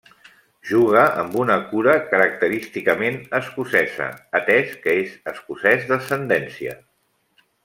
Juga amb una cura característicament escocesa, atès que és escocès d'ascendència.